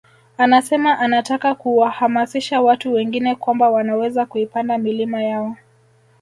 Anasema anataka kuwahamasisha watu wengine kwamba wanaweza kuipanda milima yao